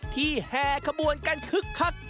ที่แห่ขบวนกันคึก